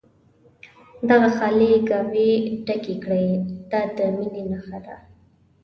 دغه خالي ګاوې ډکې کړي دا د مینې نښه ده.